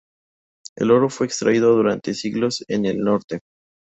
El oro fue extraído durante siglos en el norte.